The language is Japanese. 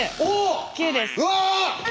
うわ！